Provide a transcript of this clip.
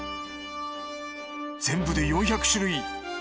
全部で４００種類。